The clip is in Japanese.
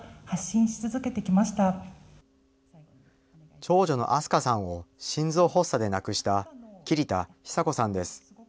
長女の明日香さんを心臓発作で亡くした桐田寿子さんです。